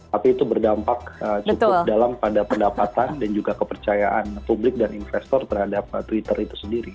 tapi itu berdampak cukup dalam pada pendapatan dan juga kepercayaan publik dan investor terhadap twitter itu sendiri